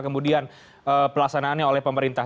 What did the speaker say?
kemudian pelaksanaannya oleh pemerintah